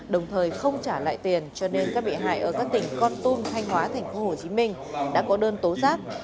đồng thời không trả lại tiền cho nên các bị hại ở các tỉnh con tum thanh hóa tp hcm đã có đơn tố giác